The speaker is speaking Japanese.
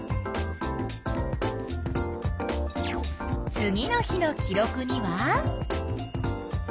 次の日の記録には？